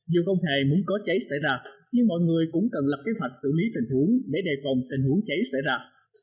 dù không hề muốn có cháy xảy ra nhưng mọi người cũng cần lập kế hoạch xử lý tình huống để đề phòng tình huống cháy xảy ra